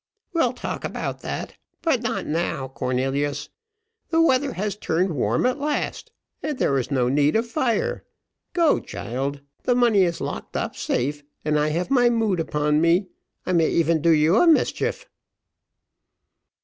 We'll talk about that, but not now, Cornelius; the weather has turned warm at last, and there is no need of fire. Go, child, the money is locked up safe, and I have my mood upon me I may even do you a mischief."